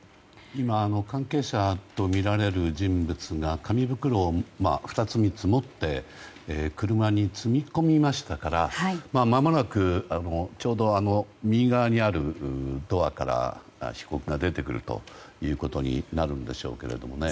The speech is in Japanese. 関係者とみられる人物が紙袋を２つ、３つ持って車に積み込みましたからまもなくちょうど右側にあるドアから被告が出てくるということになるんでしょうけどね。